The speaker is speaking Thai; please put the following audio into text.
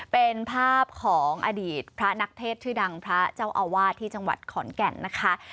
เป็นภาพของอดีตพระนักเทศชื่อดังพระเจ้าอาวาสที่จังหวัดขอนแก่นนะคะ